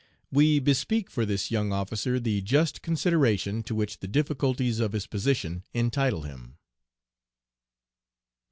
"We bespeak for this young officer the just consideration to which the difficulties of his position entitle him."